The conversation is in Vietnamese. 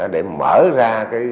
để mở ra